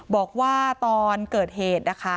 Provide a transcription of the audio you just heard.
บอกว่าตอนเกิดเหตุ